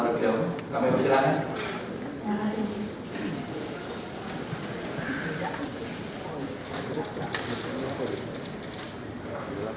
terima kasih agar selama jobs nurse fighting